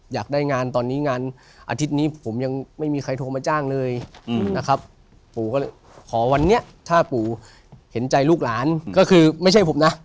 ยืนผนมมือว่ายอย่างนี้เฉย